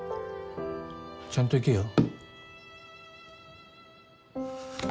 ちゃんと行けよ。